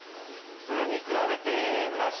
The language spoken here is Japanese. それに比べて村重さん。